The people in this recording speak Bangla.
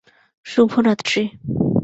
শুভ রাত্রি।